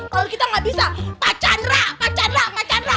kalau kita nggak bisa pak chandra pak chandra pak chandra